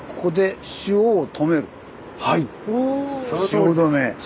汐留！